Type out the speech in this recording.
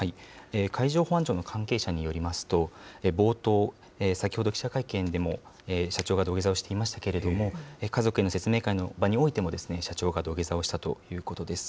海上保安庁の関係者によりますと、冒頭、先ほど記者会見でも社長が土下座をしていましたけれども、家族への説明会の場においても、社長が土下座をしたということです。